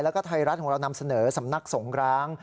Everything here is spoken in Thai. แล้วก็ไทยรัฐของเรานำเสนอสำนักสงร้าง